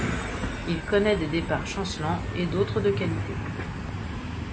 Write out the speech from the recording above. Il connaît des départs chancelants et d'autres de qualité.